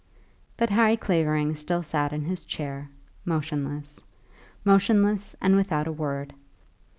But Harry Clavering still sat in his chair, motionless, motionless, and without a word.